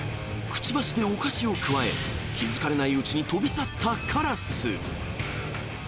くちばしでお菓子をくわえ、気付かれないうちに飛び去ったカラス。